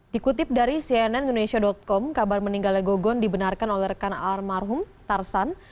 dikutip dari cnn indonesia com kabar meninggalnya gogon dibenarkan oleh rekan almarhum tarsan